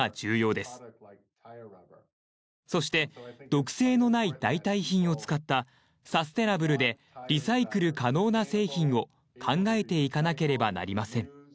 そして毒性のない代替品を使ったサステナブルでリサイクル可能な製品を考えていかなければなりません。